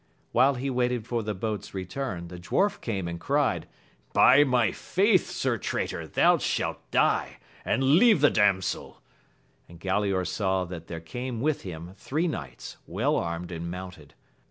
While he waited for the boat's return, the dwarf came and cried. By my faith, Sir Traitor, thou shalt die, and leave the dam sel ! and Galaor saw that there came with him three knights well armed and mounted.